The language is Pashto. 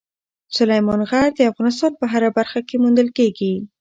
سلیمان غر د افغانستان په هره برخه کې موندل کېږي.